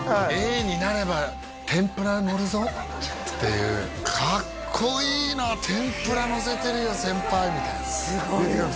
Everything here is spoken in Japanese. Ａになれば天ぷらのるぞっていう「かっこいいな天ぷらのせてるよ先輩」みたいなっていうか